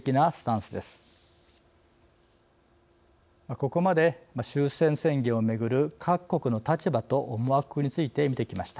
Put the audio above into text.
ここまで終戦宣言を巡る各国の立場と思惑について見てきました。